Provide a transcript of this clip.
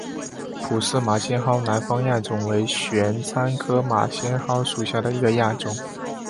普氏马先蒿南方亚种为玄参科马先蒿属下的一个亚种。